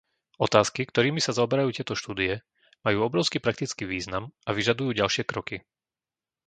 Otázky, ktorými sa zaoberajú tieto štúdie, majú obrovský praktický význam a vyžadujú ďalšie kroky.